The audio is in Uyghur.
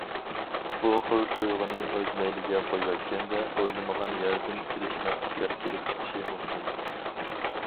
بۇ خىل تۇيغۇنى ئۆز مەيلىگە قويۇۋەتكەندە ئويلىمىغان يەردىن كېلىشمەسلىكلەر كېلىپ چىقىشى مۇمكىن.